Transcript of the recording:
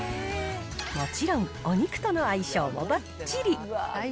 もちろんお肉との相性もばっちり。